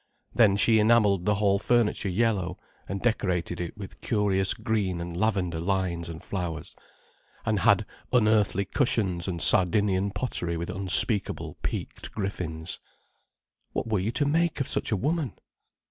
Then she enamelled the hall furniture yellow, and decorated it with curious green and lavender lines and flowers, and had unearthly cushions and Sardinian pottery with unspeakable peaked griffins. What were you to make of such a woman!